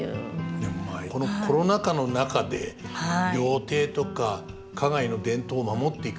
でもこのコロナ禍の中で料亭とか花街の伝統を守っていく。